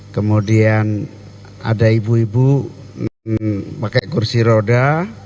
kemudian ada ibu ibu pakai kursi roda